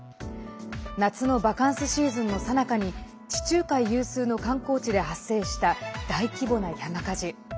夏のバカンスシーズンのさなかに地中海有数の観光地で発生した大規模な山火事。